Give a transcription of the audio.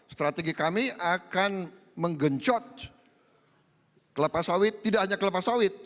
strategi kami akan menggencot kelapa sawit tidak hanya kelapa sawit